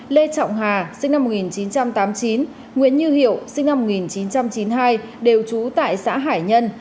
lê trọng hà sinh năm một nghìn chín trăm tám mươi chín nguyễn như hiệu sinh năm một nghìn chín trăm chín mươi hai đều trú tại xã hải nhân